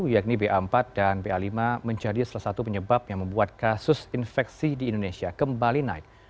yakni ba empat dan ba lima menjadi salah satu penyebab yang membuat kasus infeksi di indonesia kembali naik